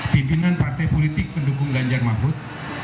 pimpinan partai politik pendukung ganjar mahfud